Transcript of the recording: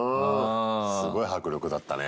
すごい迫力だったね。